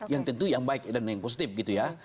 yang tentu yang baik dan yang positif gitu ya